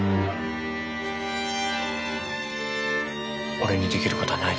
俺にできることはない